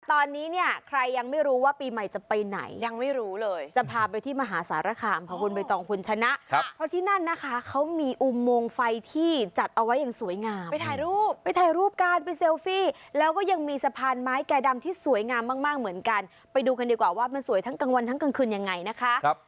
ตอนนี้เนี่ยใครยังไม่รู้ว่าปีใหม่จะไปไหนยังไม่รู้เลยจะพาไปที่มหาสารคามค่ะคุณใบตองคุณชนะเพราะที่นั่นนะคะเขามีอุโมงไฟที่จัดเอาไว้อย่างสวยงามไปถ่ายรูปไปถ่ายรูปกันไปเซลฟี่แล้วก็ยังมีสะพานไม้แก่ดำที่สวยงามมากมากเหมือนกันไปดูกันดีกว่าว่ามันสวยทั้งกลางวันทั้งกลางคืนยังไงนะคะ